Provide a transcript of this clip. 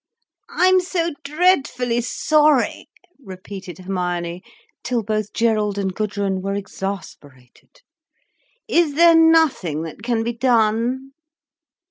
"I'm so dreadfully sorry," repeated Hermione, till both Gerald and Gudrun were exasperated. "Is there nothing that can be done?"